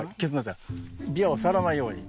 ビワを触らないように。